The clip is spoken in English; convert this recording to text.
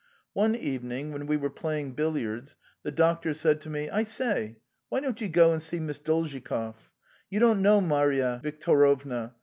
One evening when we were playing billiards the doctor said to me: " I say, why don't you call on Miss Dolzhikov? 54 MY LIFE You don't know Maria Yictorovna.